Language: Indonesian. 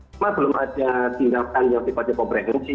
karena belum ada tindakan yang dipakai pemerintah